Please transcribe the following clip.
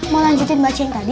mau lanjutin baca yang tadi